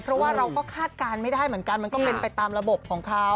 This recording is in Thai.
เพราะว่าเราก็คาดการณ์ไม่ได้เหมือนกันมันก็เป็นไปตามระบบของเขา